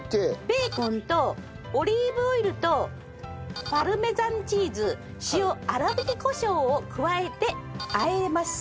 ベーコンとオリーブオイルとパルメザンチーズ塩粗挽きコショウを加えて和えます。